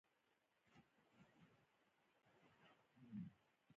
نن د ماشومانو ډېر شور و.